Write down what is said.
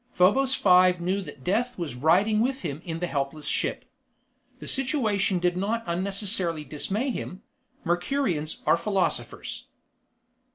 Probos Five knew that death was riding with him in the helpless ship. The situation did not unnecessarily dismay him; Mercurians are philosophers.